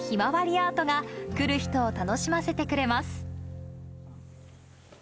アートが、来る人を楽しませてくれます。